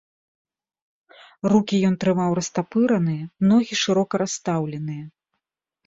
Рукі ён трымаў растапыраныя, ногі шырока расстаўленыя.